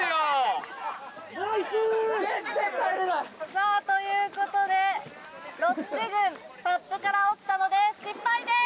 さあということでロッチ軍サップから落ちたので失敗です